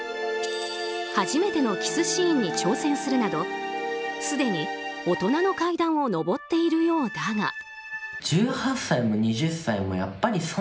初めてのキスシーンに挑戦するなどすでに大人の階段を上っているようだが。